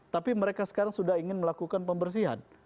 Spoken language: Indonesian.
tapi mereka sekarang sudah ingin melakukan pembersihan